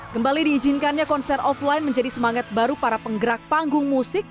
kembali diizinkannya konser offline menjadi semangat baru para penggerak panggung musik